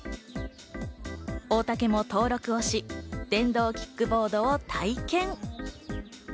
大竹も登録をし、電動キックボードを体験。